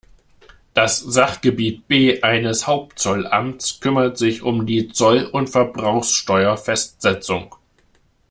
Das Sachgebiet B eines Hauptzollamts kümmert sich um die Zoll- und Verbrauchsteuerfestsetzung.